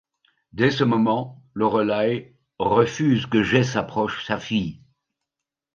Dès ce moment, Lorelai refuse que Jess approche sa fille.